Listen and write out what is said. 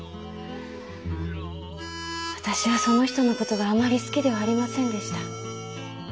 私はその人の事があまり好きではありませんでした。